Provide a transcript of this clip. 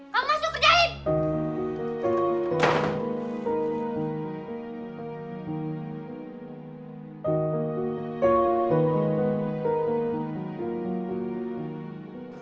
kamu masuk kerjain